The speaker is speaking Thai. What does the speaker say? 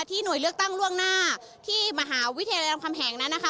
ที่หน่วยเลือกตั้งล่วงหน้าที่มหาวิทยาลัมณ์คำแหงนะคะ